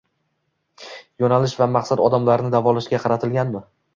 Yo‘nalish va maqsad odamlarni davolashga qaratilganmi